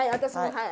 はい。